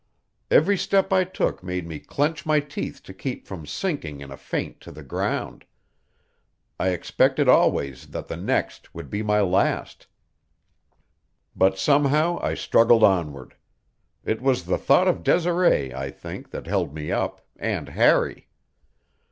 Every step I took made me clench my teeth to keep from sinking in a faint to the ground; I expected always that the next would be my last but somehow I struggled onward. It was the thought of Desiree, I think, that held me up, and Harry.